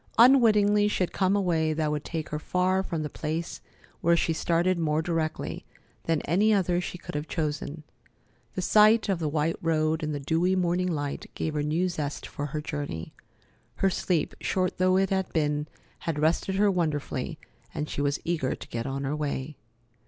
Unwittingly, she had come a way that would take her far from the place where she started more directly than any other she could have chosen. The sight of the white road in the dewy morning light gave her new zest for her journey. Her sleep, short though it had been, had rested her wonderfully, and she was eager to get on her way.